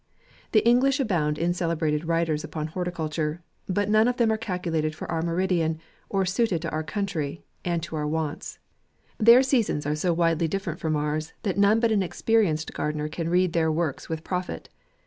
The English abound in celebrated writers upon horticulture : but none of them are cal culated for our meridian, or suited to our country, and to our wants Their seasons JANUARV. '» are so widely different from ours, that none but an experienced gardener can read their works with profit.